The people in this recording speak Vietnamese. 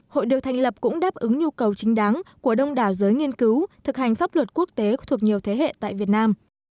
hội được thành lập cũng đáp ứng nhu cầu chính đáng của đông đảo giới nghiên cứu thực hành pháp luật quốc tế thuộc nhiều thế hệ tại việt nam